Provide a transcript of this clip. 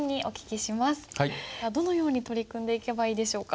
どのように取り組んでいけばいいでしょうか？